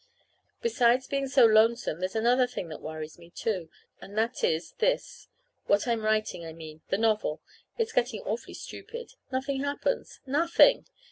Besides being so lonesome there's another thing that worries me, too; and that is, this what I'm writing, I mean. The novel. It's getting awfully stupid. Nothing happens. _Nothing!